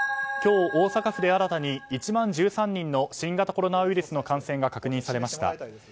今日、大阪府で新たに１万１３人の新型コロナウイルスの感染が確認されました。